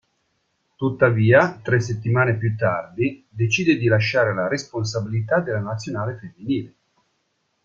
Tuttavia tre settimane più tardi decide di lasciare la responsabilità della nazionale femminile.